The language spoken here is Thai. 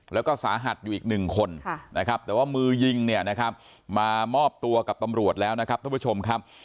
แล้วก็สาหัสอยู่อีกหนึ่งคนนะครับแต่ว่ามือยิงเนี่ยนะครับมามอบตัวกับตำรวจแล้วนะครับท่านผู้ชมครับ